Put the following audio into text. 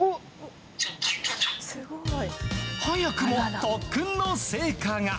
早くも特訓の成果が。